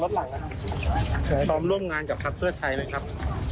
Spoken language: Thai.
รถหลังต้องร่วมงานกับครับเครือไทยเลยครับ